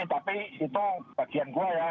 tapi itu bagian gue ya